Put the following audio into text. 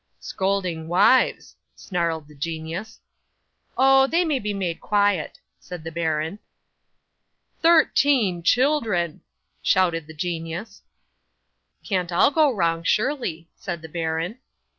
'"Scolding wives," snarled the genius. '"Oh! They may be made quiet," said the baron. '"Thirteen children," shouted the genius. '"Can't all go wrong, surely," said the baron.